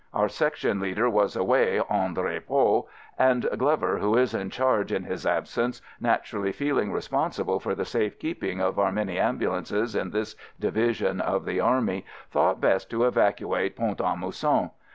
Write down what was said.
Our Section leader was away "en repos" and Glover, who is in charge in his absence, naturally feeling responsible for the safe keeping of our many ambu lances in this division of the army, thought best to evacuate Pont a Mousson.